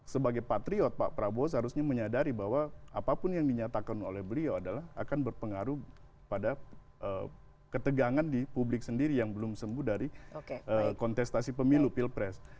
sebagai patriot pak prabowo seharusnya menyadari bahwa apapun yang dinyatakan oleh beliau adalah akan berpengaruh pada ketegangan di publik sendiri yang belum sembuh dari kontestasi pemilu pilpres